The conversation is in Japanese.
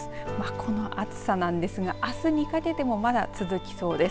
この暑さなんですがあすにかけてもまだ続きそうです。